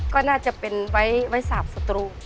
ก็น่าจะเป็นไว้สาปศตรู